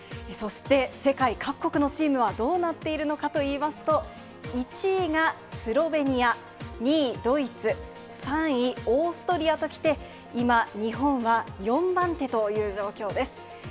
そして、世界各国のチームはどうなっているのかといいますと、１位がスロベニア、２位ドイツ、３位オーストリアときて、今、日本は４番手という状況です。